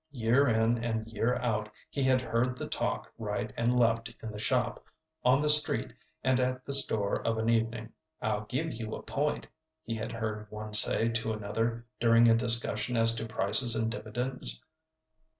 Year in and year out he had heard the talk right and left in the shop, on the street, and at the store of an evening. "I'll give you a point," he had heard one say to another during a discussion as to prices and dividends.